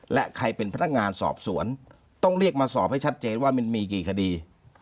และใครเป็นพนักงานสอบสวนต้องเรียกมาสอบให้ชัดเจนว่ามันมีกี่คดี